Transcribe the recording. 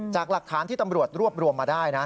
จากหลักฐานที่ตำรวจรวบรวมมาได้นะ